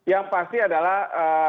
yang pasti adalah